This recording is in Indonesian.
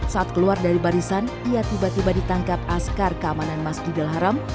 saat keluar dari barisan ia tiba tiba ditangkap askar keamanan masjidil haram